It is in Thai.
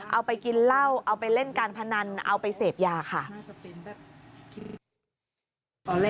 เอาไปกินเหล้าเอาไปเล่นการพนันเอาไปเสพยาค่ะ